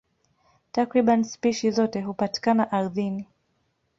Takriban spishi zote hupatikana ardhini.